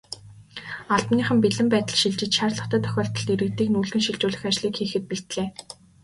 Албаныхан бэлэн байдалд шилжиж, шаардлагатай тохиолдолд иргэдийг нүүлгэн шилжүүлэх ажлыг хийхэд бэлдлээ.